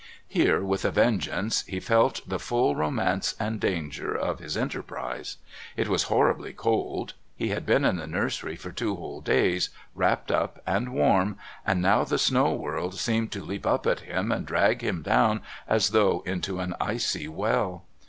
Here, with a vengeance, he felt the full romance and danger of his enterprise. It was horribly cold; he had been in the nursery for two whole days, wrapped up and warm, and now the snowy world seemed to leap up at him and drag him down as though into an icy well.